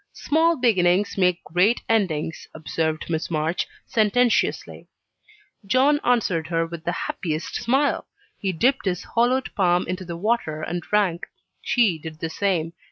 "Small beginnings make great endings," observed Miss March, sententiously. John answered her with the happiest smile! He dipped his hollowed palm into the water and drank: she did the same.